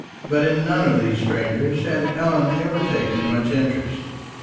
But in none of these strangers had Ellen ever taken much interest.